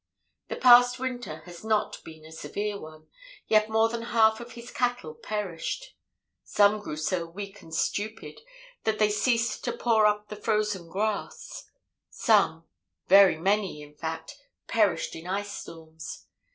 "The past winter has not been a severe one, yet more than half of his cattle perished. Some grew so weak and stupid that they ceased to paw up the frozen grass; some, very many, in fact, perished in ice storms.